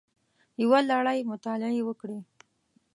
یوه لړۍ مطالعې یې وکړې